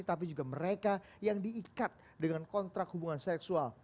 tapi juga mereka yang diikat dengan kontrak hubungan seksual